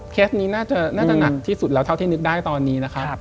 เคสนี้น่าจะหนักที่สุดแล้วเท่าที่นึกได้ตอนนี้นะครับ